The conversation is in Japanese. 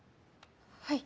はい。